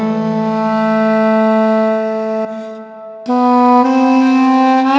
tapi kau belum sadar juga nan